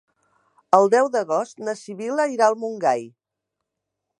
El deu d'agost na Sibil·la irà a Montgai.